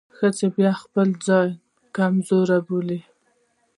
ښځو بيا هم ځان کمزورۍ بلل .